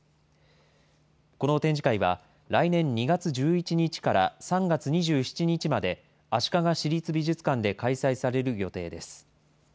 この展示会は、来年２月１１日から３月２７日まで、足利市立美術館で開催される予定です。